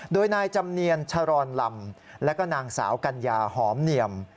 โดยนายจำเนียนชรอนลำและก็นางสาวกัญญาหอมเนียม